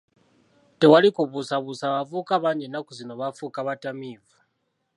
Tewali kubuusabuusa abavubuka bangi ennaku zino baafuuka batamiivu.